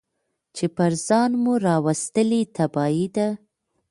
چي پر ځان مو راوستلې تباهي ده